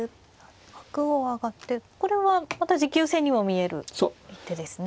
角を上がってこれはまた持久戦にも見える手ですね。